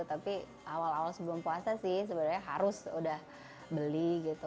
tapi awal awal sebelum puasa sih sebenarnya harus udah beli gitu